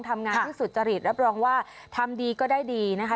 ทำงานที่สุจริตรับรองว่าทำดีก็ได้ดีนะคะ